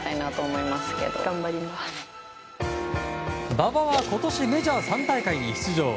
馬場は今年メジャー３大会に出場。